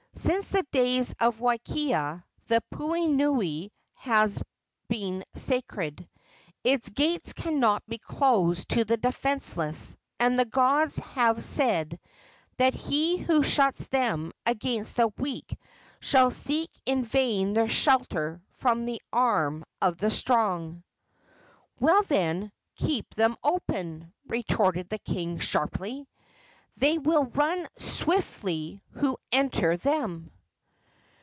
"Since the days of Wakea the puhonui has been sacred. Its gates cannot be closed to the defenceless, and the gods have said that he who shuts them against the weak shall seek in vain their shelter from the arm of the strong." "Well, then, keep them open!" retorted the king, sharply. "They will run swiftly who enter them!"